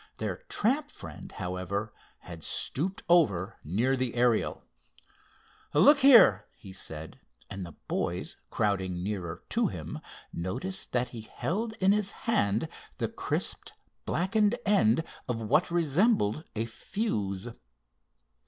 Their tramp friend, however, had stooped over near the Ariel. "Look here," he said, and the boys, crowding nearer to him, noticed that he held in his hand the crisped, blackened end of what resembled a fuse.